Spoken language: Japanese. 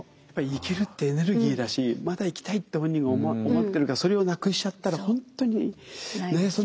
やっぱり生きるってエネルギーだしまだ生きたいって本人が思ってるかそれをなくしちゃったら本当にねえ？